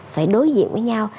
phải đối diện với nhau